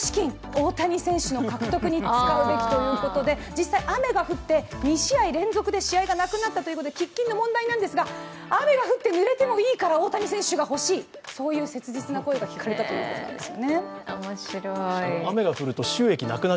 実際、雨が降って２試合連続で試合がなくなったということで喫緊の問題なんですが、雨が降ってぬれてもいいから大谷選手が欲しいという切実な声が聞かれたということです。